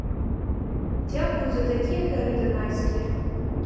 Дзякую за такія дары данайскія!